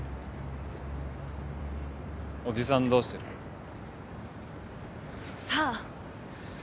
おじさんどうしてる？さあ。